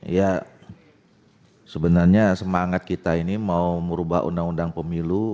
ya sebenarnya semangat kita ini mau merubah undang undang pemilu